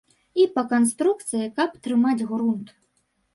І па канструкцыі, каб трымаць грунт.